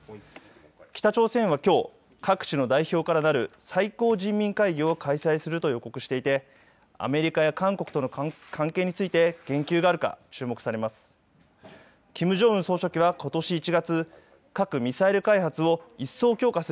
北朝鮮はきょう、各地の代表からなる最高人民会議を開催すると予告していてアメリカや韓国との関係について言及があるか注目されます。